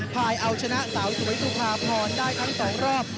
ภายเอาชนะสาวสวยสุภาพรได้ทั้ง๒รอบ